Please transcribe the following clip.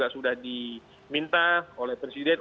sudah diminta oleh presiden